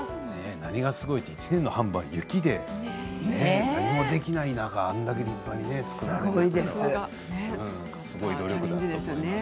何がすごいって１年の半分は雪で何もできない中あれだけ立派に作られてねすごい努力だと思います。